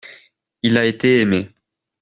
Il a été aimé.